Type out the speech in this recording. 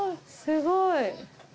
すごい。